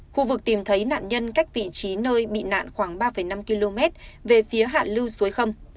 khu vực tìm thấy nạn nhân cách vị trí nơi bị nạn khoảng ba năm km về phía hạ lưu suối khâm